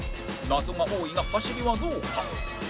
謎が多いが走りはどうか？